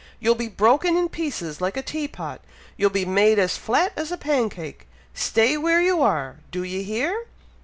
"You'll be broken in pieces like a tea pot, you'll be made as flat as a pancake! Stay where you are! Do ye hear!"